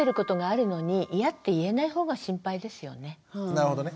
なるほどね。